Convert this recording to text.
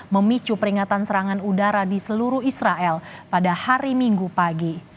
memicu peringatan serangan udara di seluruh israel pada hari minggu pagi